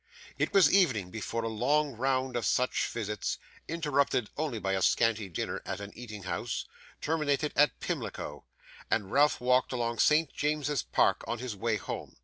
It was evening before a long round of such visits (interrupted only by a scanty dinner at an eating house) terminated at Pimlico, and Ralph walked along St James's Park, on his way home.